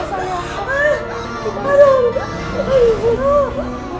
umut jantung bayi pada antuman